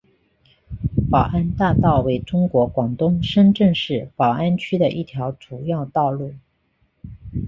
宝安大道为中国广东深圳市宝安区的一条主要道路。